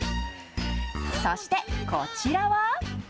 そして、こちらは。